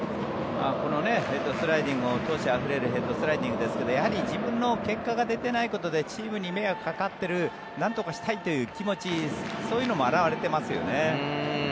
このヘッドスライディングも闘志あふれるヘッドスライディングですがやはり自分の結果が出ていないことでチームに迷惑がかかっているなんとかしたいという気持ちそういうのも表れてますよね。